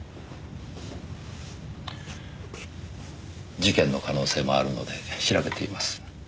事件の可能性もあるので調べています。